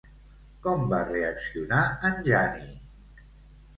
Com va reaccionar en Jani?